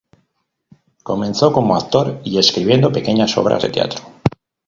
Comenzó como actor y escribiendo pequeñas obras de teatro.